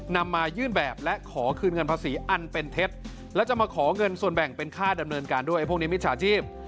มายื่นแบบและขอคืนเงินภาษีอันเป็นเท็จแล้วจะมาขอเงินส่วนแบ่งเป็นค่าดำเนินการด้วยพวกนี้มิจฉาชีพ